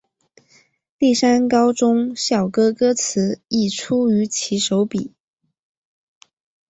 丽山高中校歌歌词亦出于其手笔。